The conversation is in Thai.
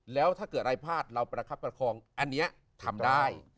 แล้วถ้าเกิดอะไรพลาดเราประคับประคองอันนี้ทำได้